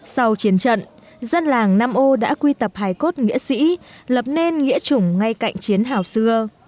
sau chiến trận dân làng nam ô đã quy tập hài cốt nghĩa sĩ lập nên nghĩa chủng ngay cạnh chiến hào xưa